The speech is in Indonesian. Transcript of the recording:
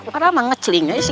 padahal ngeceling aja